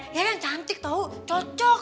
iya kan cantik tau cocok